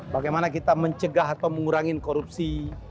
bagaimana kita mencegah atau mengurangi korupsi